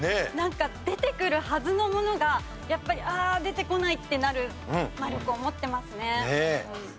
なんか出てくるはずのものがやっぱりああ出てこないってなる魔力を持ってますね。